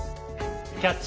「キャッチ！